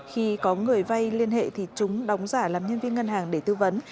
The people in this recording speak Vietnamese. khi có người vay liên hệ thì chúng đóng giả làm nhân viên ngân hàng để tư vấn